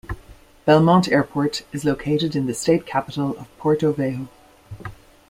Belmonte Airport is located in the state capital of Porto Velho.